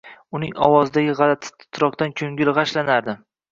Uning ovozidagi g‘alati titroqdan ko‘ngli g‘ashlanardi.